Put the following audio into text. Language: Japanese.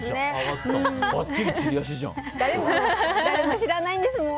誰も知らないんです、もう。